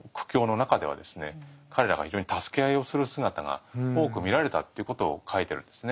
彼らが非常に助け合いをする姿が多く見られたっていうことを書いてるんですね。